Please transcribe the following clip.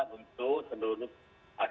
maka ini tentu akan mengenami kegagalan